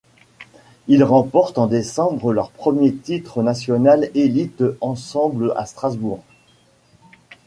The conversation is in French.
Ils remportent en décembre leur premier titre national élites ensemble, à Strasbourg.